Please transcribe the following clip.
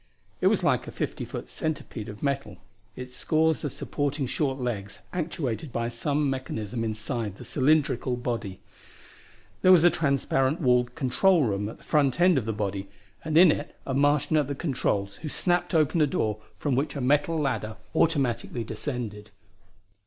It was like a fifty foot centipede of metal, its scores of supporting short legs actuated by some mechanism inside the cylindrical body. There was a transparent walled control room at the front end of that body, and in it a Martian at the controls who snapped open a door from which a metal ladder automatically descended.